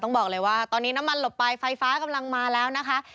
บอกเลยว่าตอนนี้น้ำมันหลบไปไฟฟ้ากำลังมาแล้วนะคะ